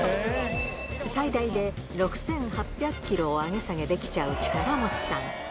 最大で６８００キロを上げ下げできちゃう力持ちさん。